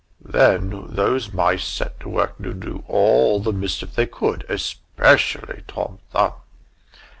Then those mice set to work to do all the mischief they could especially Tom Thumb!